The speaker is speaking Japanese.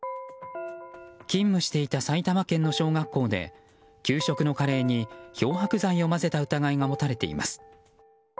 勤務していた埼玉県の小学校で給食のカレーに漂白剤を混ぜた疑いが持たれています。